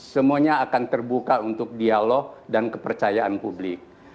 semuanya akan terbuka untuk dialog dan kepercayaan publik